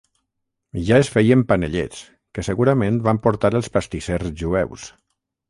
Ja es feien panellets, que segurament van portar els pastissers jueus.